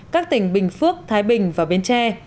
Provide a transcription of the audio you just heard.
các tỉnh bình phước thái bình và bến tre